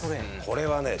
これはね